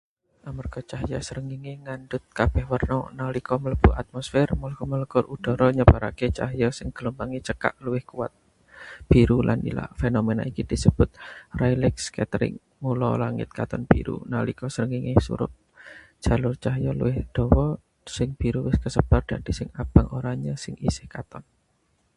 Amarga cahya srengenge ngandhut kabeh warna. Nalika mlebu atmosfer, molekul-molekul udhara nyebarake cahya sing gelombange cekak luwih kuat. biru lan nila. fenomena iki disebut Rayleigh scattering. Mula langit katon biru. Nalika srengenge surup jalur cahya luwih dawa, sing biru wis kesebar, dadi sing abang-oranye sing isih katon.